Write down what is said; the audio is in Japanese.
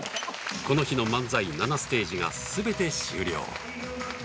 この日の漫才７ステージがすべて終了